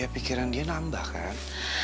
pikiran dia nambah kan